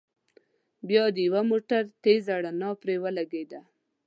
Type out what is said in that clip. بيا د يوه موټر تېزه رڼا پرې ولګېده.